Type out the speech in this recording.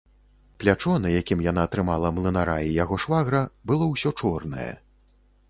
Плячо, на якім яна трымала млынара і яго швагра, было ўсё чорнае.